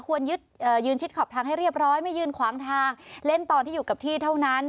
ยืนชิดขอบทางให้เรียบร้อยไม่ยืนขวางทางเล่นตอนที่อยู่กับที่เท่านั้น